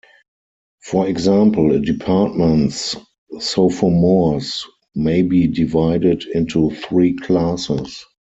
For example, a department's sophomores may be divided into three classes.